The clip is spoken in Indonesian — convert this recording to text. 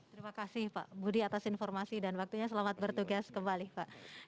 terima kasih pak budi atas informasi dan waktunya selamat bertugas kembali pak